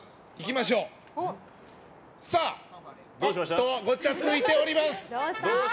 ちょっとごちゃついております。